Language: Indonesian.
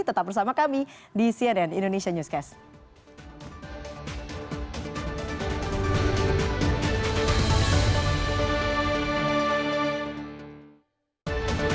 tetap bersama kami di cnn indonesia newscast